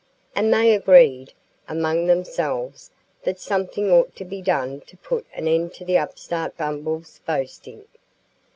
And they agreed among themselves that something ought to be done to put an end to the upstart Bumble's boasting.